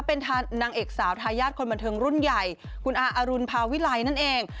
เป็นนางเอกสาวทายาทคนบันเทิงรุ่นใหญ่คุณอาอรุณภาวิลัยนั่นเอง